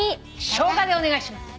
ショウガでお願いします。